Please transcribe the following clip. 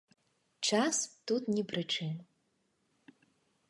Час тут ні пры чым.